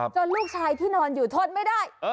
ลูกชายที่นอนอยู่ทนไม่ได้